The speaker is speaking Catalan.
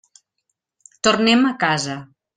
Tornem a casa.